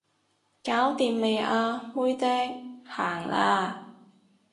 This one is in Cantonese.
搞掂未啊妹釘，行啦